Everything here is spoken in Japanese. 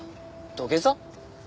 土下座？